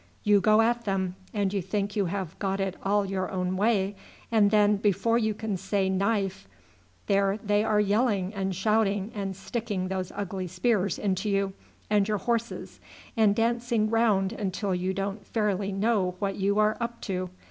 You go at them, and you think you have got it all your own way, and then before you can say knife there they are yelling and shouting and sticking those ugly spears into you and your horses, and dancing round until you don't fairly know what you are up to.